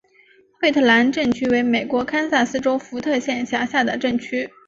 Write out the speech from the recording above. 惠特兰镇区为美国堪萨斯州福特县辖下的镇区。